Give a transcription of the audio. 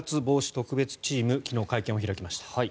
特別チーム昨日、会見を開きました。